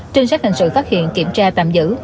trinh sát hình sự phát hiện kiểm tra tạm giữ